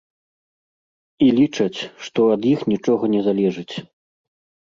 І лічаць, што ад іх нічога не залежыць.